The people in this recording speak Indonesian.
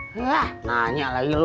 hah nanya lagi lu